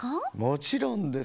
もちろんです。